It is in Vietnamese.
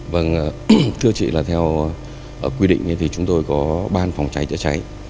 vâng thưa chị là theo quy định thì chúng tôi có ban phòng cháy chữa cháy